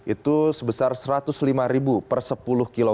itu sebesar rp satu ratus lima